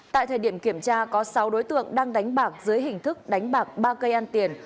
tại thời điểm kiểm tra có sáu đối tượng đang đánh bạc dưới hình thức đánh bạc ba cây ăn tiền